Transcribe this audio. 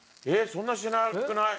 そんなしなくない？